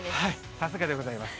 さすがでございます。